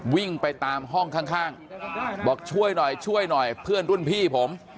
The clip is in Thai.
วิ่งไปตามห้องข้างบอกช่วยหน่อยช่วยหน่อยเพื่อนรุ่นพี่ผม